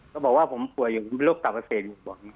เขาบอกว่าผมป่วยอยู่รูปตับอักเสบอยู่บอกเนี่ย